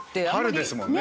春ですもんね。